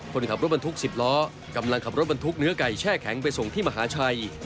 คนขับรถบรรทุก๑๐ล้อกำลังขับรถบรรทุกเนื้อไก่แช่แข็งไปส่งที่มหาชัย